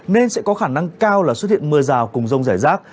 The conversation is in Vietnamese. nên sẽ có khả năng cao là xuất hiện mưa rào cùng rông rải rác